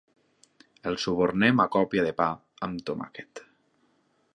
Els subornem a còpia de pa amb tomàquet.